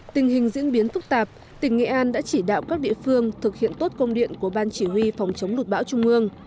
tình hình diễn biến phức tạp tỉnh nghệ an đã chỉ đạo các địa phương thực hiện tốt công điện của ban chỉ huy phòng chống lụt bão trung ương